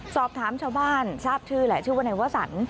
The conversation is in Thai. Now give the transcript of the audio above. สอบถามชาวบ้านทราบชื่อแหละชื่อว่านายวสัน